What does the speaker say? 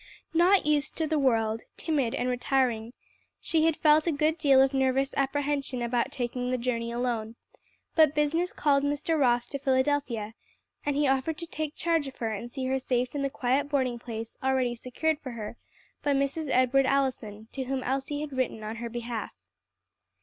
Not used to the world, timid and retiring, she had felt a good deal of nervous apprehension about taking the journey alone; but business called Mr. Ross to Philadelphia, and he offered to take charge of her and see her safe in the quiet boarding place already secured for her by Mrs. Edward Allison, to whom Elsie had written on her behalf.